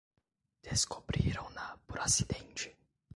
Descobriram-na por acidente.